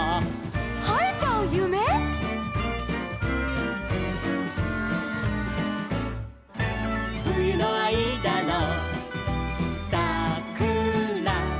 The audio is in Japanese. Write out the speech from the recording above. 「はえちゃうゆめ」「ふゆのあいだのさくら」